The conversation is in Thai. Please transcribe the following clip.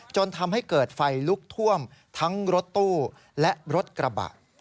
จนทำให้เกิดไฟลุกท่วมทั้งรถตู้และรถกระบะ